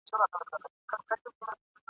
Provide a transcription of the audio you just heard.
دا لاله دا سره ګلونه !.